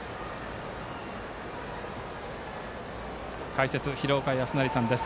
解説、廣岡資生さんです。